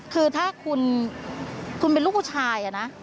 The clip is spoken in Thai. คือถ้าคุณเป็นลูกผู้ชายนะ